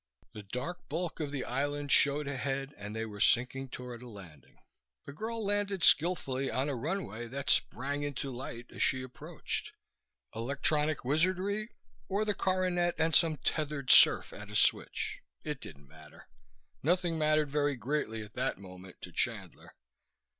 The dark bulk of the island showed ahead and they were sinking toward a landing. The girl landed skillfully on a runway that sprang into light as she approached electronic wizardry, or the coronet and some tethered serf at a switch? It didn't matter. Nothing mattered very greatly at that moment to Chandler.